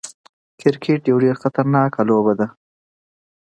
څو ستنې ونه کارول شي.